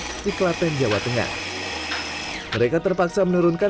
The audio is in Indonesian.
devient sebahagian sebarang ke pendekidan yang diperlukan